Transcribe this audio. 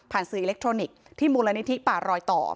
ผ่านสื่ออเจลเลคโตรนิกปรกตัวมูลณะหญิงที่ป่ารอยต่อ